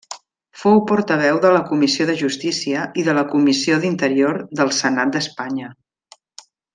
Fou portaveu de la Comissió de Justícia i de la Comissió d'Interior del Senat d'Espanya.